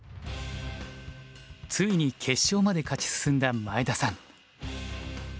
ついに決勝まで勝ち進んだ前田さん。